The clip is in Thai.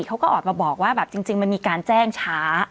เขาก็ออกมาบอกว่าแบบจริงมันมีการแจ้งช้า